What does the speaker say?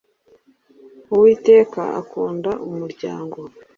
Uwiteka akunda umuryango .